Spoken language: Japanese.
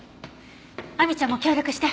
亜美ちゃんも協力して。